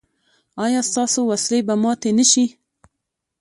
ایا ستاسو وسلې به ماتې نه شي؟